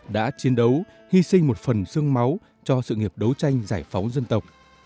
đã chiến đấu hy sinh một phần sương máu cho sự nghiệp đấu tranh giải phóng dân tộc